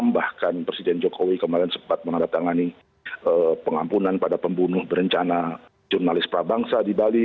bahkan presiden jokowi kemarin sempat menandatangani pengampunan pada pembunuh berencana jurnalis prabangsa di bali